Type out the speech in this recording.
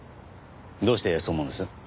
どうしてそう思うんです？